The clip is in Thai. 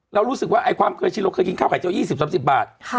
เรารู้สึกว่าไอ้ความเคยชินเราเคยกินข้าวไข่เจีย๒๐๓๐บาท